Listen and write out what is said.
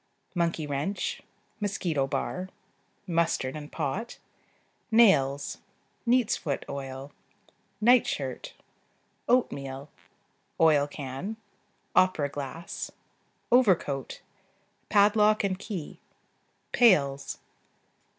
Monkey wrench. Mosquito bar. Mustard and pot. Nails. Neat's foot oil. Night shirt. Oatmeal. Oil can. Opera glass. Overcoat. Padlock and key. Pails.